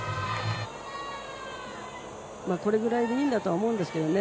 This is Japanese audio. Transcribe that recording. これくらいでいいんだとは思うんですけどね。